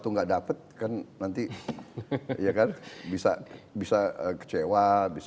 itu enggak dapat kan nanti bisa kecewa